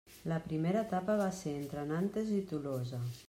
La primera etapa va ser entre Nantes i Tolosa.